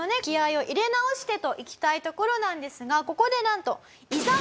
気合を入れ直してといきたいところなんですがここでなんとついに。